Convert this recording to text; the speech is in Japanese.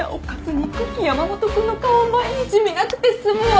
憎き山本君の顔を毎日見なくて済むわ。